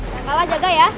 jangan kalah jaga ya